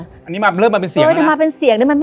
อันนี้เริ่มมาเป็นเสี่ยงแล้วนะ